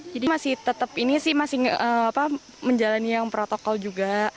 jadi masih tetap ini sih masih menjalani yang protokol juga